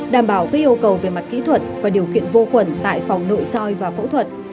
đảm bảo các yêu cầu về mặt kỹ thuật và điều kiện vô khuẩn tại phòng nội soi và phẫu thuật